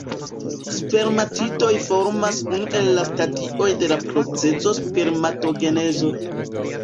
Spermatidoj formas unu el la stadioj de la procezo spermatogenezo.